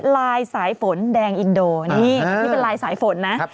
ลายสายฝนแดงอินโดนี่ที่เป็นลายสายฝนนะ